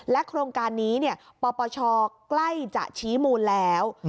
โครงการนี้ปปชใกล้จะชี้มูลแล้ว